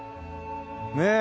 ねえ。